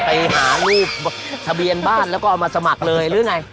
ไปหารูปทะเบียนบ้านแล้วก็เอามาสมัครเลยหรือไง